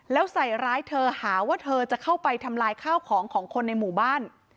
แล้วใส่ร้ายเธอหาว่าเธอจะเข้าไปทำลายข้าวของของคนในหมู่บ้าน